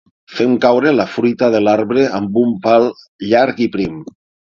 Fem caure la fruita de l'arbre amb un pal llarg i prim.